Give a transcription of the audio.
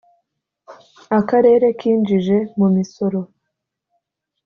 Akarere kinjije mu misoro